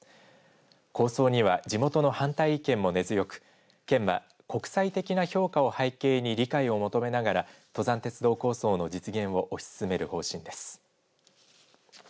構想には地元の反対意見も根強く県は国際的な評価を背景に理解を求めながら登山鉄道構想の実現を推し進める方針です。